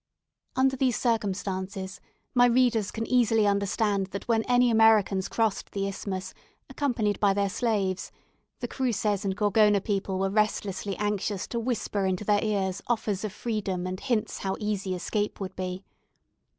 Under these circumstances, my readers can easily understand that when any Americans crossed the Isthmus, accompanied by their slaves, the Cruces and Gorgona people were restlessly anxious to whisper into their ears offers of freedom and hints how easy escape would be.